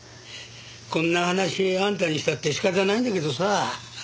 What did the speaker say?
こんな話あんたにしたって仕方ないんだけどさ。